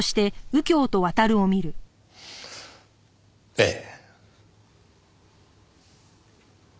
ええ。